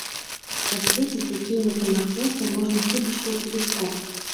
Разгледзець такія метамарфозы можна хіба што ў тэлескоп.